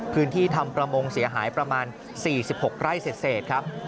ทำประมงเสียหายประมาณ๔๖ไร่เศษครับ